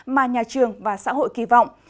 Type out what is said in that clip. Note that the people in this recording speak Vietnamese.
mà nhà trường và xã hội kỳ vọng